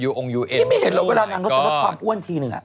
ยูองยูเอสนี่ไม่เห็นหรอกเวลานางก็จะรู้ความอ้วนทีหนึ่งอ่ะ